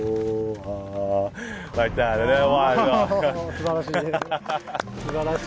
すばらしい。